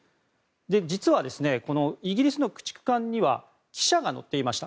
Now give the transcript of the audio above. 実はイギリスの駆逐艦には記者が乗っていました。